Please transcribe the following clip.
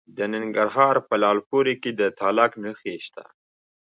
د ننګرهار په لعل پورې کې د تالک نښې شته.